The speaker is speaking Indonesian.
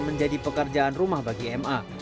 menjadi pekerjaan rumah bagi ma